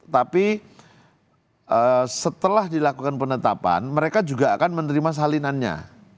tapi setelah dilakukan penetapan mereka juga akan menerima salinannya